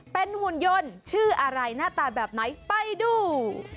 เป็นหุ่นยนต์ชื่ออะไรหน้าตาแบบไหนไปดู